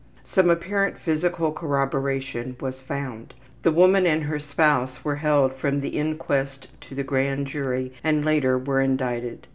Some apparent physical corroboration was found. The woman and her spouse were held from the inquest to the grand jury and later were indicted.